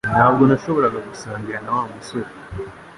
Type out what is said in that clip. Ntabwo nashoboraga gusangira na Wa musorea